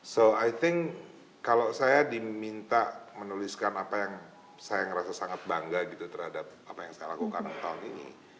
so i think kalau saya diminta menuliskan apa yang saya merasa sangat bangga gitu terhadap apa yang saya lakukan tahun ini